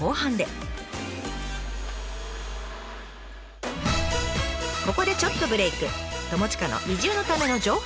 ここでちょっとブレーク。